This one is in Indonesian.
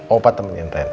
opa temenin rena ya